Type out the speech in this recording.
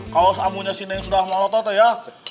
kalau abunya si neng sudah malu tau teh ya